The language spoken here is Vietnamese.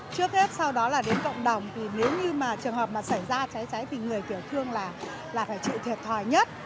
trước hết sau đó là đến cộng đồng thì nếu như mà trường hợp mà xảy ra cháy thì người tiểu thương là phải chịu thiệt thòi nhất